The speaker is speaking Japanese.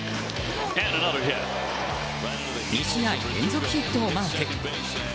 ２試合連続ヒットをマーク。